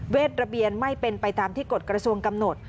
ระเบียนไม่เป็นไปตามที่กฎกระทรวงกำหนด